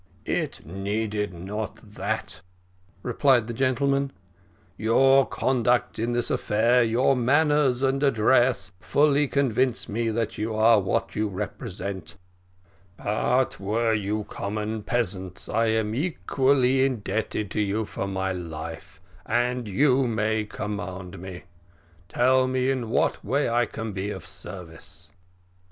"It needed not that," replied the gentleman; "your conduct in this affair, your manners and address, fully convince me that you are what you represent but were you common peasants, I am equally indebted to you for my life, and you may command me. Tell me in what way I can be of service."